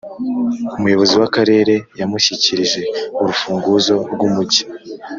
umuyobozi w'akarere yamushyikirije urufunguzo rw'umujyi.